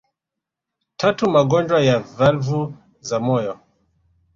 Tatu magonjwa ya valvu za moyo